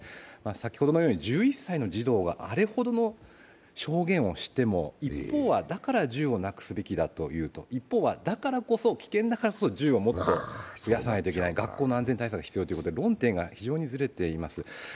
先ほどのように１１歳の児童が、あれほどの証言をしても一方はだから銃をなくすべきだと言うと一方は危険だからこそ銃を持たないといけない、学校の安全対策が必要ということで、論点が非常にずれています。